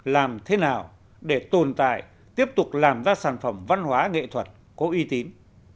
làm thế nào để tồn tại tiếp tục làm ra sản phẩm văn hóa nghệ thuật có uy tín